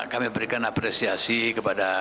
kami memberikan apresiasi kepada